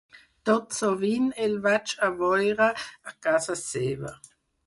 Tot sovint el vaig a veure a casa seva.